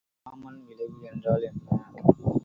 இராமன் விளைவு என்றால் என்ன?